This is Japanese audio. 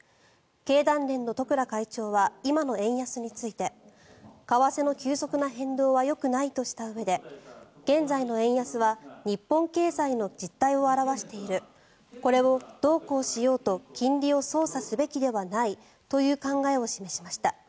経団連の十倉会長は今の円安について為替の急速な変動はよくないとしたうえで現在の円安は日本経済の実態を表しているこれをどうこうしようと金利を操作すべきではないという考えを示しました。